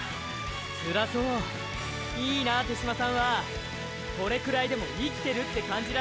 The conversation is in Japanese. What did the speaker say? つらそういいな手嶋さんはこれくらいでも生きてるって感じられるんでしょ？